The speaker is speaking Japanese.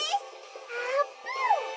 「あーぷん！」。